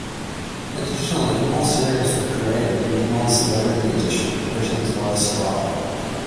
Additionally, more series were created in the non-celebrity edition, Britain's Worst Driver.